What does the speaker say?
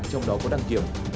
trong đó có đăng kiểm